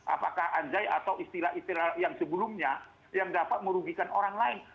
apakah anjai atau istilah istilah yang sebelumnya yang dapat merugikan orang lain